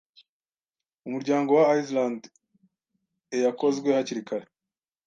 umuryango wa Island eyakozwe hakiri kare